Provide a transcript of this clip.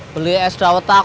beli es daun takut